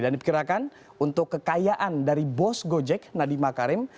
dan diperkirakan untuk kekayaan dari bos gojek nadiem makarim